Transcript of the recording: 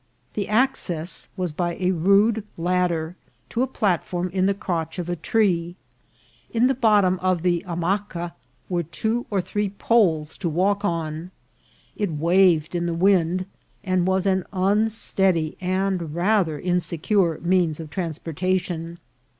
The ac cess was by a rude ladder to a platform in the crotch of the tree. In the bottom of the hammaca were two or three poles to walk on. It waved with the wind, and was an unsteady and rather insecure means of transportation.